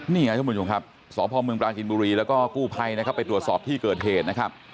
เนี่ยเจ้าบุญญุงครับศพเมืองปลาจินบุรีแล้วก็กู้ภัยไปตรวจสอบที่เกิดเหตุนะครับ